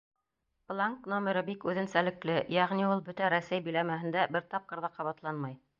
Бланк номеры бик үҙенсәлекле, йәғни ул бөтә Рәсәй биләмәһендә бер тапҡыр ҙа ҡабатланмай.